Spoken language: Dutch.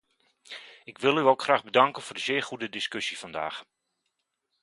Ik wil u ook graag bedanken voor de zeer goede discussie vandaag.